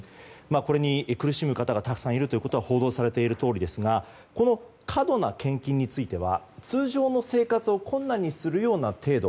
これに苦しむ方がたくさんいることは報道されているとおりですがこの過度な献金については通常の生活を困難にするような程度